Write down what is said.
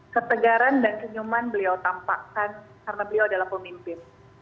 ketegaran dan senyuman beliau tampakkan karena beliau adalah pemimpin